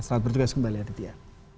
selamat bertugas kembali aditya